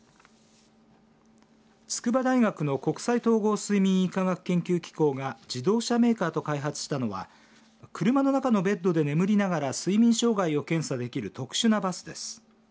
筑波大学の国際統合睡眠医科学研究機構が自動車メーカーと開発したのは車の中のベッドで眠りながら睡眠障害を検査できる特殊なバスです